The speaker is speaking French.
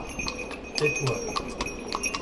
tais-toi.